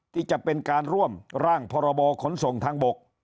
ที่จะเป็นการร่วมร่างพรบขนส่งทางบก